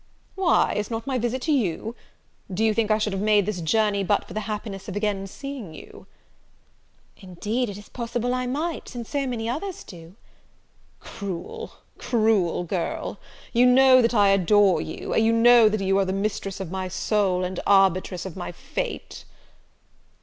"Why, is not my visit to you?" Do you think I should have made this journey, but for the happiness of again seeing you?" "Indeed it is possible I might, since so many others do." "Cruel, cruel girl! you know that I adore you! you know you are the mistress of my soul, and arbitress of my fate!"